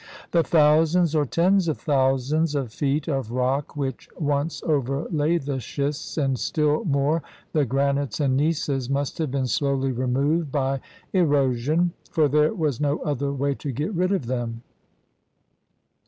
The thousands or tens of thousands of feet of rock which once overlay the schists and still more the granites and gneisses must have been slowly removed by erosion, for there was no other way to get rid of them.